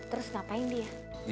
terus ngapain dia